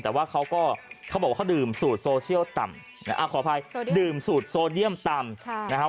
แต่ว่าเขาก็เขาบอกว่าเขาดื่มสูตรโซเชียลต่ำขออภัยดื่มสูตรโซเดียมต่ำนะครับ